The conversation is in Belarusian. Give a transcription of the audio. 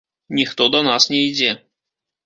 Ніхто да нас не ідзе.